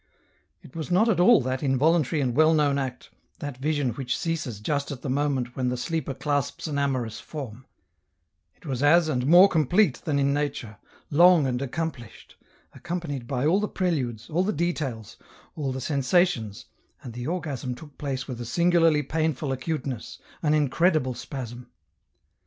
It was not at all that involuntary and well known act, that vision which ceases just at the moment when the sleeper clasps an amorous form ; it was as and more complete than in nature, long and accomplished, accom panied by all the preludes, all the details, all the sensations, and the orgasm took place with a singularly painful acute ness, an incredible spasm.